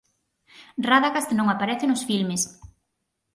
Radagast non aparece nos filmes.